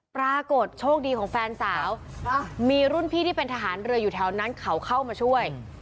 ปรากฏโชคดีของแฟนสาวมีรุ่นพี่ที่เป็นทหารเรืออยู่แถวนั้นเขาเข้ามาช่วย